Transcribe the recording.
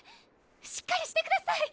しっかりしてください。